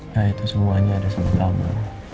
nah itu semuanya ada sebetulnya